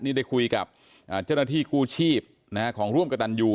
นี่ได้คุยกับเจ้าหน้าที่กู้ชีพของร่วมกระตันยู